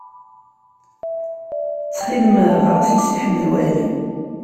Ttxil-m, ɣer-as i Si Ḥmed Waɛli.